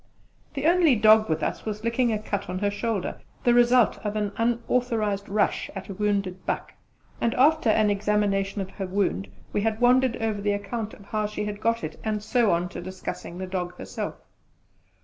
The only dog with us was licking a cut on her shoulder the result of an unauthorised rush at a wounded buck and after an examination of her wound we had wandered over the account of how she had got it, and so on to discussing the dog herself.